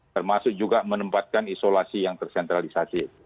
termasuk juga menempatkan isolasi yang tersentralisasi